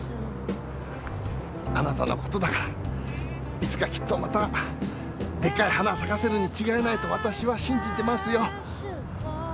あなたのことだからいつかきっとまたでっかい花を咲かせるに違いないとわたしは信じてますよ。